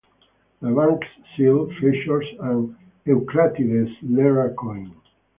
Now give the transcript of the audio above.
The bank's seal features a Eucratides I-era coin.